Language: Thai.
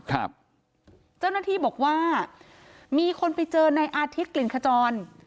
เจ้าหน้าที่บอกว่ามีคนไปเจอในอาทิตย์กลิ่นขจร